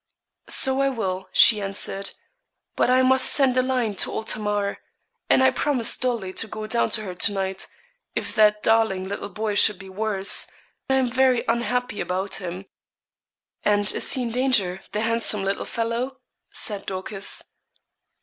'So I will,' she answered; 'but I must send a line to old Tamar; and I promised Dolly to go down to her to night, if that darling little boy should be worse I am very unhappy about him.' 'And is he in danger, the handsome little fellow?' said Dorcas.